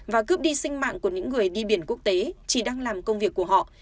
và cướp đi sinh mạng của những người đi biển quốc tế chỉ đang làm công việc của họ